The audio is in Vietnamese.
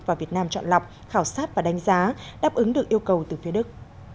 và việt nam chọn lọc khảo sát và đánh giá đáp ứng được yêu cầu từ phía đức